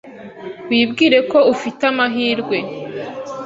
Wibwire ko ufite amahirwe.